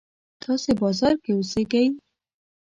تاسې بازار کې اوسېږئ.